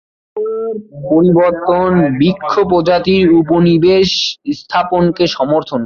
পরিবেশের পরিবর্তন বৃক্ষ প্রজাতির উপনিবেশ স্থাপনকে সমর্থন করে।